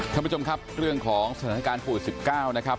ท่านผู้ชมครับเรื่องของสถานการณ์โควิด๑๙นะครับ